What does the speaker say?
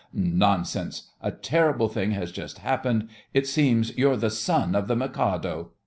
Nonsense! A terrible thing has just happened. It seems you're the son of the Mikado.